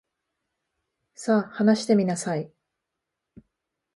さ、話してみなさい。